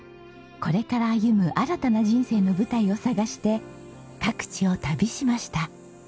これから歩む新たな人生の舞台を探して各地を旅しました。